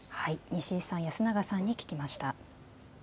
西井さん、安永さんに聞きました。